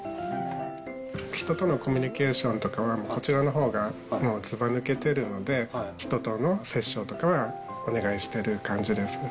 人とのコミュニケーションとかは、こちらのほうがずば抜けてるので、人との折衝とかはお願いしてる感じです。